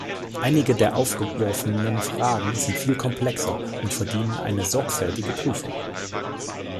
Einige der aufgeworfenen Fragen sind viel komplexer und verdienen eine sorgfältige Prüfung.